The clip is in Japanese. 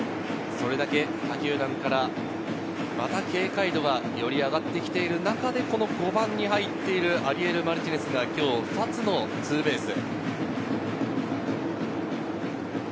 それだけ他球団から警戒度がより上がってきている中で、５番に入っているアリエル・マルティネスが今日２つのツーベース。